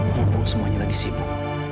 walaupun semuanya lagi sibuk